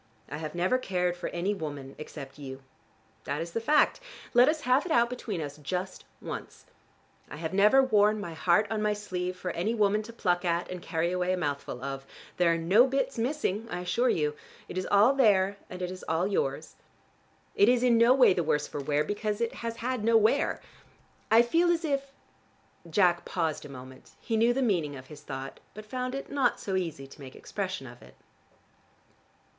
I have never cared for any woman except you. That is the fact. Let us have it out between us just once. I have never worn my heart on my sleeve, for any woman to pluck at, and carry away a mouthful of. There are no bits missing, I assure you. It is all there, and it is all yours. It is in no way the worse for wear, because it has had no wear. I feel as if " Jack paused a moment: he knew the meaning of his thought, but found it not so easy to make expression of it.